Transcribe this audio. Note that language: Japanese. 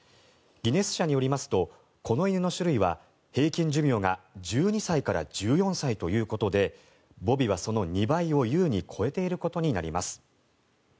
ギネス社によりますとこの犬の種類は平均寿命が１２歳から１４歳ということでボビはその２倍を優に超えていることになります。